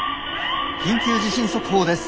「緊急地震速報です。